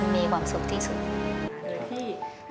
มีความสุขที่สุด